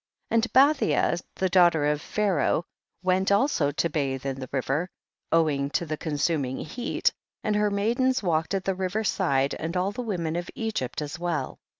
17. And Bathia, the daughter of Pharaoh, went also to bathe in the river, owing to the consuming heat, and her maidens walked at the river side, and all the women of Egyptf as well.